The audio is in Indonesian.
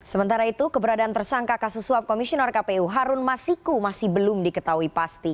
sementara itu keberadaan tersangka kasus suap komisioner kpu harun masiku masih belum diketahui pasti